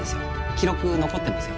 記録残ってますよ